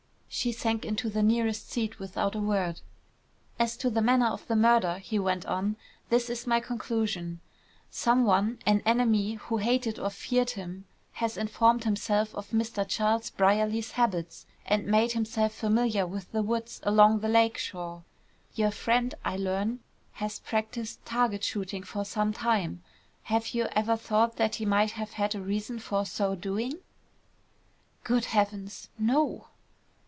She sank into the nearest seat without a word. "As to the manner of the murder," he went on, "this is my conclusion. Some one, an enemy who hated or feared him, has informed himself of Mr. Charles Brierly's habits, and made himself familiar with the woods along the lake shore. Your friend, I learn, has practised target shooting for some time. Have you ever thought that he might have had a reason for so doing?" "Good heavens! No!"